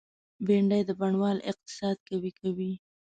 بېنډۍ د بڼوال اقتصاد قوي کوي